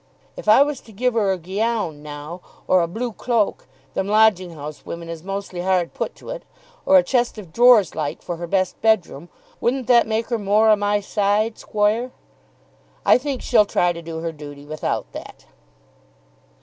"If I was to give her a ge'own now, or a blue cloak; them lodging house women is mostly hard put to it; or a chest of drawers like, for her best bedroom, wouldn't that make her more o' my side, squoire?" "I think she'll try to do her duty without that."